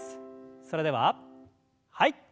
それでははい。